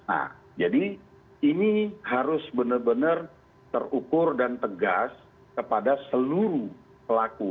nah jadi ini harus benar benar terukur dan tegas kepada seluruh pelaku